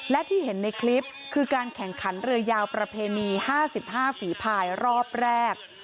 และที่เห็นในคลิปคือการแข่งขันเรือยาวประเพณี๕๕ฝีภายรอบแรก